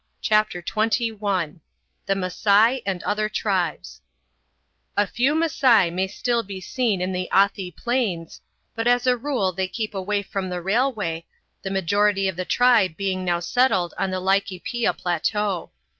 CHAPTER XXI THE MASAI AND OTHER TRIBES A few Masai may still be seen on the Athi Plains, but as a rule they keep away from the railway, the majority of the tribe being now settled on the Laikipia Plateau.